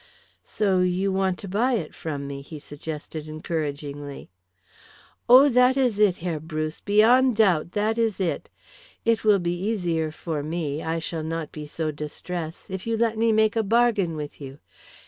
"So you want to buy it from me," he suggested encouragingly. "Oh, that is it, Herr Bruce, beyond doubt, that is it. It will be easier for me, I shall not be so distressed, if you let me make a bargain with you.